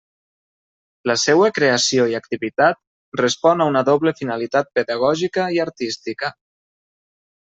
La seua creació i activitat respon a una doble finalitat pedagògica i artística.